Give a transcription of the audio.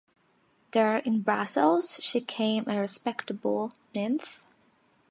There, in Brussels, she came a respectable ninth.